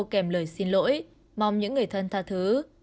kèm lời xin lỗi mong những người thân tha thứ